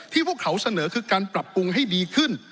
พวกเขาเสนอคือการปรับปรุงให้ดีขึ้น